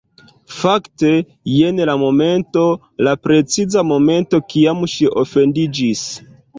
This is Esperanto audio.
Fakte, jen la momento... la preciza momento kiam ŝi ofendiĝis